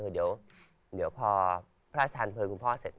เดี๋ยวพ่อพระศาลเผยคุณพ่อเสร็จ